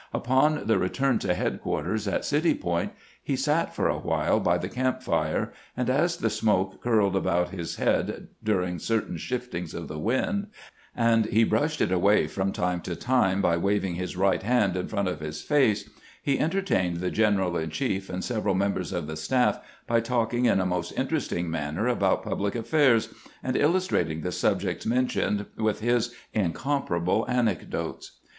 Upon the return to headquarters at City Point, he sat for a while by the camp fire ; and as the smoke curled about his head during certain shiftings of the wind, and THE PRESIDENT TELLS SOME ANECDOTES 407 he brushed it away from time to time by waving his right hand in front of his face, he entertained the gen eral in chief and several members of the staff by talking in a most interesting manner about public affairs, and illustrating the subjects mentioned with his incompar able anecdotes.